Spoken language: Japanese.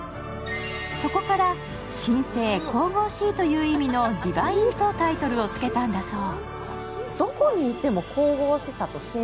そこから、神聖・神々しいという意味の「ＤＩＶＩＮＥ」とタイトルをつけたんだそう。